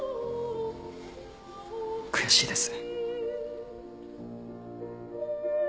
悔しいです。